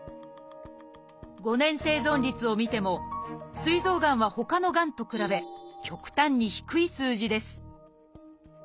５年生存率を見ても「すい臓がん」はほかのがんと比べ極端に低い数字です